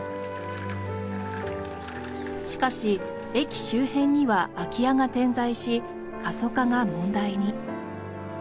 しかし駅周辺には空き家が点在し過疎化が問題に。